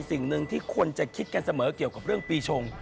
สิ่งหนึ่งที่คนจะคิดกันเสมอเกี่ยวกับเรื่องปีชง